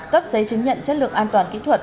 cấp giấy chứng nhận chất lượng an toàn kỹ thuật